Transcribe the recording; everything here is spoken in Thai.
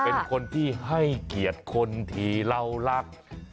เป็นคนที่ให้เกียรติคนที่เรารัก